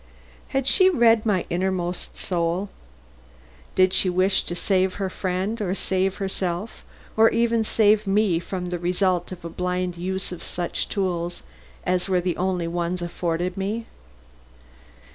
Had she read my inmost soul? Did she wish to save her friend, or save herself, or even to save me from the result of a blind use of such tools as were the only ones afforded me?